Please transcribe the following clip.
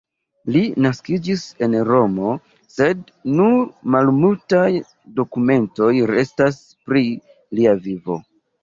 Li naskiĝis en Romo, sed nur malmultaj dokumentoj restas pri lia vivo.